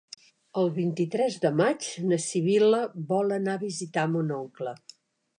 El vint-i-tres de maig na Sibil·la vol anar a visitar mon oncle.